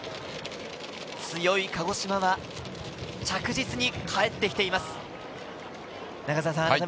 強い鹿児島は、着実にかえってきています。